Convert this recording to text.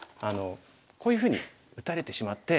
こういうふうに打たれてしまって。